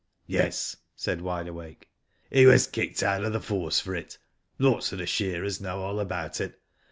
''Yes," said Wide. Awake; "he was kicked out of the force for it. Lots of the shearers know all about it.